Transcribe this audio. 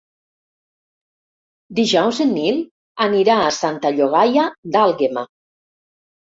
Dijous en Nil anirà a Santa Llogaia d'Àlguema.